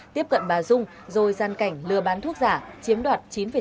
tiếp cận bà dung rồi gian cảnh lừa bán thuốc giả chiếm đoạt chín chín triệu đồng